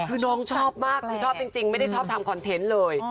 คือน้องชอบมากคือชอบจริงไม่ได้ชอบทำคอนเทนต์เลย